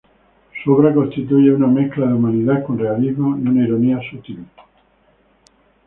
Su obra constituye una mezcla de humanidad con realismo y una ironía sutil.